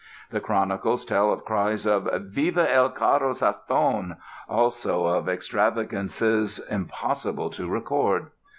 The chronicles tell of cries of "Viva il caro Sassone", also of "extravagances impossible to record."